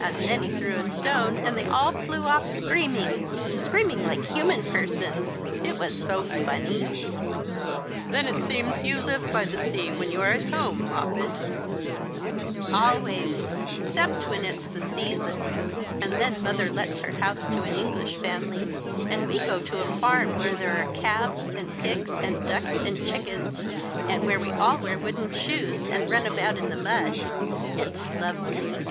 And then he threw a stone and they all flew off screaming, screaming like human persons. It Avas so funny !"" Then it seems you live by the sea when you are at home. Moppet ?"" Always — 'cept Avhen it's the season, and then mother lets her house to an English family, and we go to a farm where there are calves, and pigs, and ducks and chickens, and where we all wear wooden shoes and run about in the mud. It's lovely."